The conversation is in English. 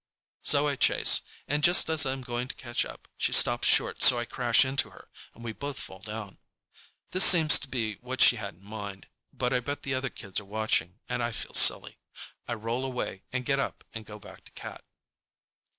So I chase, and just as I'm going to catch up, she stops short so I crash into her and we both fall down. This seems to be what she had in mind, but I bet the other kids are watching and I feel silly. I roll away and get up and go back to Cat.